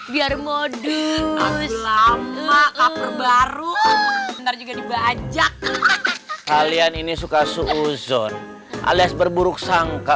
biar modus lama lama perbaru benar juga dibajak kalian ini suka suzon alias berburuk sangka